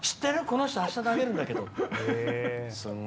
この人あした、投げるんだけど。